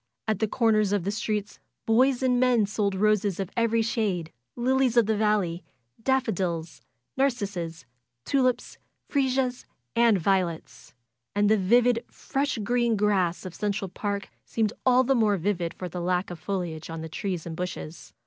At the corners of the streets boys and men sold roses of every shade, lilies of the valley, daffodils, narcissus, tulips, fresias, and violets. And the vivid, fresh green grass of Central Park seemed all the more vivid for the lack of foliage on the trees and bushes.